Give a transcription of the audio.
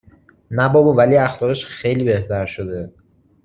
نه بابا ولی اخلاقش خیلی بهتر شده